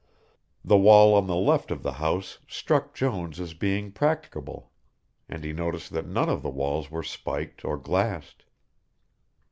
The wall on the left of the house struck Jones as being practicable, and he noticed that none of the walls were spiked or glassed.